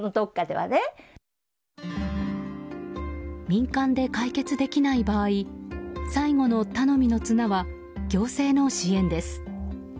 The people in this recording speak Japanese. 民間で解決できない場合最後の頼みの綱は行政の支援です。